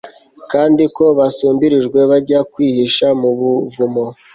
kandi ko basumbirijwe bajya kwihisha mu buvumo